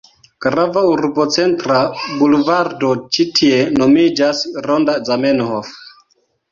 Grava urbocentra bulvardo ĉi tie nomiĝas Ronda Zamenhof.